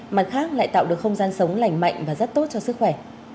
mặt khác lại tạo được không gian sống lành mạnh và rất tốt cho sức khỏe